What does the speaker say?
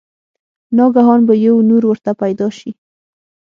ناګهانه به يو نُور ورته پېدا شي